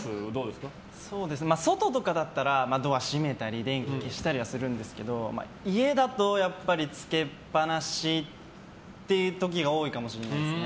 外とかだったらドア閉めたり電気消したりするんですけど家だと、つけっぱなしという時が多いかもしれないですね。